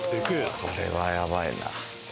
これはやばいな。